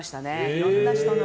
いろんな人の。